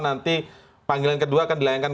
nanti panggilan kedua akan dilayangkan